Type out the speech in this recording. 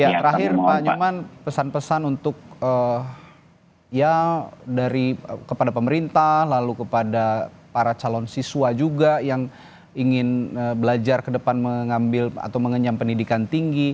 ya terakhir pak nyoman pesan pesan untuk ya kepada pemerintah lalu kepada para calon siswa juga yang ingin belajar ke depan mengambil atau mengenyam pendidikan tinggi